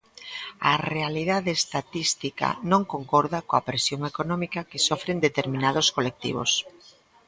A realidade estatística non concorda coa presión económica que sofren determinados colectivos.